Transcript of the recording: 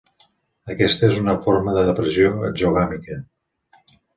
Aquesta és una forma de depressió exogàmica.